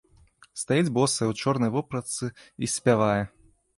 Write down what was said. Стаіць босая, у чорнай вопратцы і спявае.